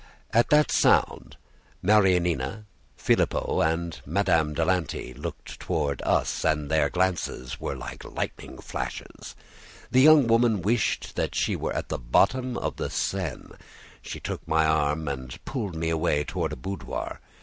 At that sound, Marianina, Filippo, and Madame de Lanty looked toward us, and their glances were like lightning flashes. The young woman wished that she were at the bottom of the Seine. She took my arm and pulled me away toward a boudoir.